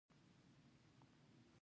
در دې وي ښاد په لویه ورځ د قیامت.